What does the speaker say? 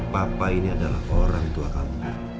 papa ini adalah orang tua kamu